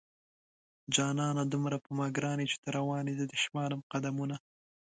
جانانه دومره په ما گران يې چې ته روان يې زه دې شمارم قدمونه